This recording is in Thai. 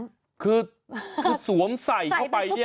คือคือสวมใส่เข้าไปอย่างนั้น